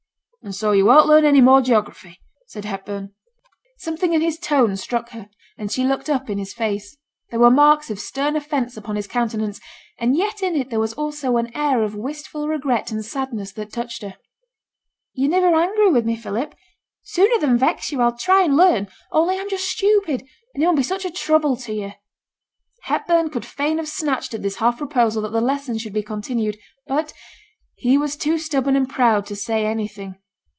'And so you won't learn any more geography,' said Hepburn. Something in his tone struck her, and she looked up in his face. There were marks of stern offence upon his countenance, and yet in it there was also an air of wistful regret and sadness that touched her. 'Yo're niver angry with me, Philip? Sooner than vex yo', I'll try and learn. Only, I'm just stupid; and it mun be such a trouble to you.' Hepburn would fain have snatched at this half proposal that the lessons should be continued, but he was too stubborn and proud to say anything.